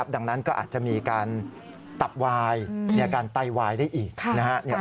ดังนั้นก็อาจจะมีการตับวายมีอาการไตวายได้อีกนะครับ